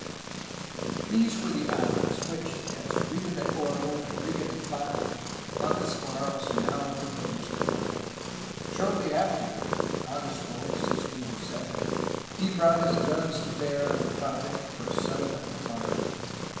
These were the islands which, as ''Rica de Oro" and "Rica de Plata," Montesclaros now proposed to find. Shortly afterward^ he brought his guns to bear on the project for a settlement at Monterey.